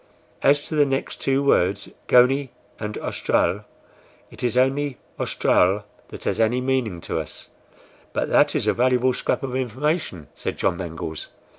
As to the next two words, GONIE and AUSTRAL, it is only AUSTRAL that has any meaning to us." "But that is a valuable scrap of information," said John Mangles.